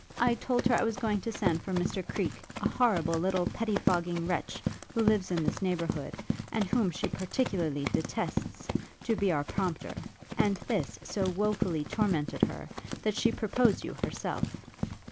I told her I was going to send for Mr Creek, a horrible little pettifogging wretch, who lives in this neighbourhood, and whom she particularly detests, to be our prompter; and this so woefully tormented her, that she proposed you herself.